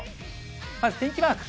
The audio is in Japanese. まず天気マーク。